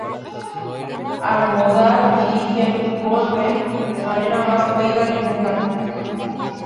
Almodóvar dirige "Volver" de manera más fluida que nunca.